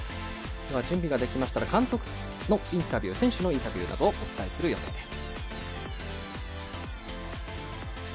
準備ができましたら監督、選手のインタビューなどをお伝えする予定です。